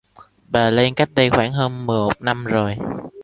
Bà len cách đây khoảng hơn một năm rồi